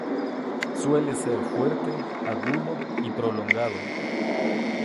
Suele ser fuerte, agudo y prolongado.